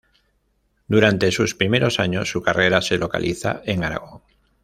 Durante sus primeros años, su carrera se localiza en Aragón.